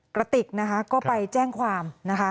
กระติกก็ไปแจ้งความ